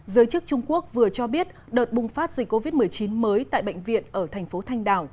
giới chức trung quốc vừa cho biết đợt bùng phát dịch covid một mươi chín mới tại bệnh viện ở thành phố thanh đảo